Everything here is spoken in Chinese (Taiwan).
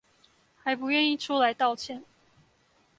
還不願意出來道歉